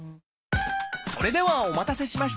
それではお待たせしました！